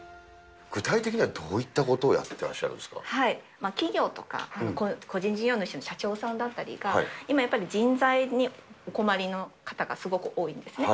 具体的にはどういったことを企業とか、個人事業主の社長さんだったりとかが、今やっぱり人材にお困りの方がすごく多いんですね。